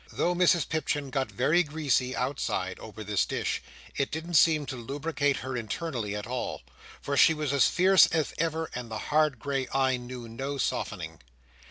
Though Mrs Pipchin got very greasy, outside, over this dish, it didn't seem to lubricate her internally, at all; for she was as fierce as ever, and the hard grey eye knew no softening.